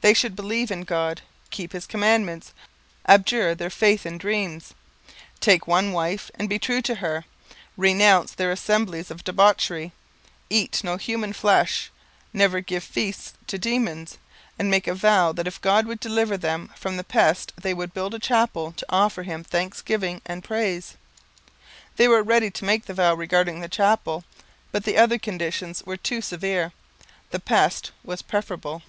They should believe in God; keep His commandments; abjure their faith in dreams; take one wife and be true to her; renounce their assemblies of debauchery; eat no human flesh; never give feasts to demons; and make a vow that if God would deliver them from the pest they would build a chapel to offer Him thanksgiving and praise. They were ready to make the vow regarding the chapel, but the other conditions were too severe the pest was preferable.